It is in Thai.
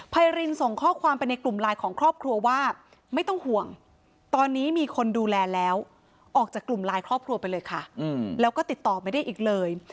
ไพรินส่งข้อความไปในกลุ่มไลน์ของครอบครัวว่าไม่ต้องห่วงตอนนี้มีคนดูแลแล้วออกจากกลุ่มไลน์ครอบครัวไปเลยค่ะแล้วก็ติดต่อไม่ได้อีกเลย